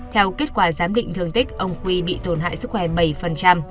theo kết quả giám định thương tích ông quy bị tổn hại sức khỏe bảy